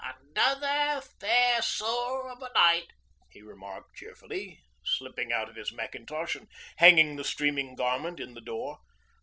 'Another fair soor of a night,' he remarked cheerfully, slipping out of his mackintosh and hanging the streaming garment in the door.